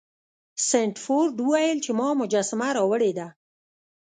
سنډفورډ وویل چې ما مجسمه راوړې ده.